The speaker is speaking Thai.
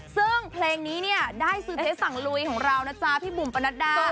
ซึ่งเพลงนี้เนี่ยได้ซื้อเพชรสั่งลุยของเรานะจ๊ะพี่บุ๋มปนัดดา